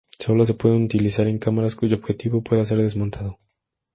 Sólo se pueden utilizar en cámaras cuyo objetivo pueda ser desmontado.